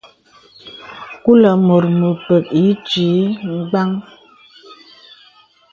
Kulə̀ mùt mèpèk ì itwi bwàn.